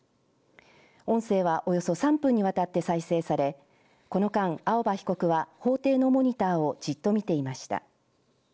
音声はおよそ３分にわたって再生されこの間、青葉被告は法廷のモニターをじっと見ていました。